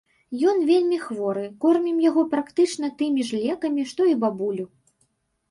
Ён вельмі хворы, кормім яго практычна тымі ж лекамі, што і бабулю.